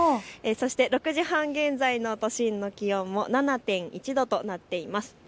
そして６時半現在の都心の気温も７．１度となっています。